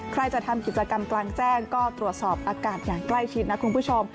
ใครจะทำกิจกรรมกลางแจ้งก็ตรวจสอบอากาศอย่างใกล้ชิดนะคุณผู้ชม